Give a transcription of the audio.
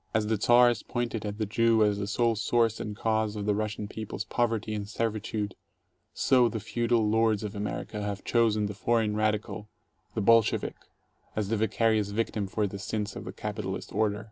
As the Czars pointed at the Jew as the sole source and cause of the Russian people's poverty and servitude, so the feudal lords of America have chosen the "foreign radical," "the Bolshevik" as the vicarious victim for the sins of the capitalist order.